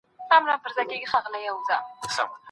دغه کوچنی دونه تېز دی چي هر چا ته یې ګټه رسېږي.